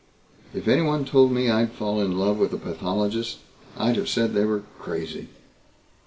If anyone told me I'd fall in love with a pathologist, I'd have said they were crazy.